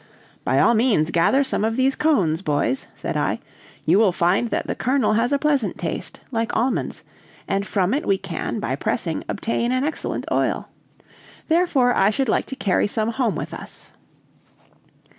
"By all means gather some of these cones, boys," said I; "you will find the kernel has a pleasant taste, like almonds, and from it we can, by pressing, obtain an excellent oil. Therefore I should like to carry some home with us."